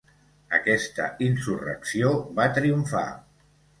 Aquesta insurrecció va triomfar.